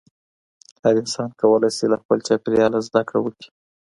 هر انسان کولی شي له خپل چاپېریاله زده کړه وکړي.